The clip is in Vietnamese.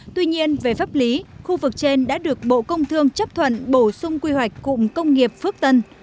tuy nhiên về pháp lý khu vực trên đã được bộ công thương chấp thuận bổ sung quy hoạch cụm công nghiệp phước tân